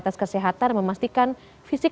tes kesehatan memastikan fisik